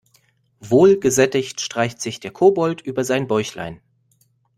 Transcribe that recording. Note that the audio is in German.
Wohl gesättigt streicht sich der Kobold über sein Bäuchlein.